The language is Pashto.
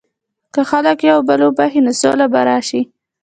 که خلک یو بل وبخښي، نو سوله به راشي.